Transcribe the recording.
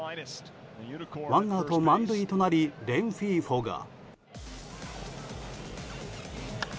ワンアウト満塁となりレンヒーフォが。